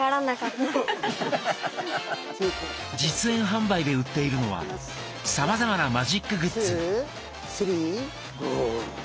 実演販売で売っているのはさまざまなマジックグッズ。